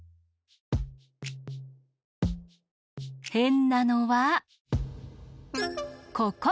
へんなのはここ！